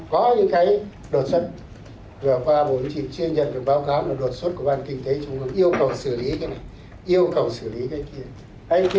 có những cái đột xuất vừa qua bốn chị chưa nhận được báo cáo là đột xuất của ban kinh tế trung ương yêu cầu xử lý cái này yêu cầu xử lý cái kia